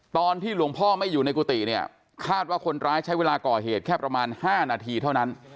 ตอนที่หลวงพ่อไม่อยู่ในกุฏิเนี่ยคาดว่าคนร้ายใช้เวลาก่อเหตุแค่ประมาณ๕นาทีเท่านั้น